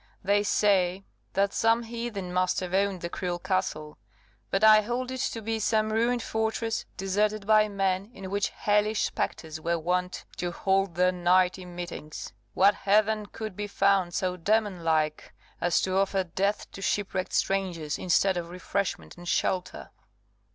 They say that some heathen must have owned the cruel castle; but I hold it to be some ruined fortress, deserted by men, in which hellish spectres were wont to hold their nightly meetings. What heathen could be found so demon like as to offer death to shipwrecked strangers, instead of refreshment and shelter?"